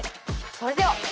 それでは。